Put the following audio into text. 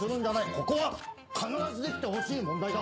ここは必ずできてほしい問題だ。